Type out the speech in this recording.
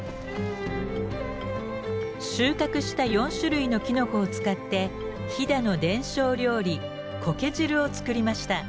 収穫した４種類のきのこを使って飛騨の伝承料理こけ汁を作りました。